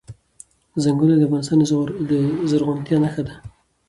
چنګلونه د افغانستان د زرغونتیا نښه ده.